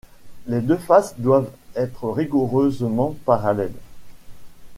Les deux faces doivent être rigoureusement parallèles.